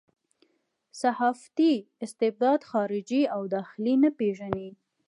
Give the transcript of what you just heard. صحافتي استبداد خارجي او داخلي نه پېژني.